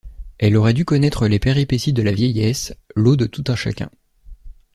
Elle aurait dû connaître les péripéties de la vieillesse, lot de tout un chacun.